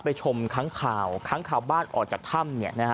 ไปชมค้างข่าวค้างข่าวบ้านออกจากถ้ำเนี่ยนะฮะ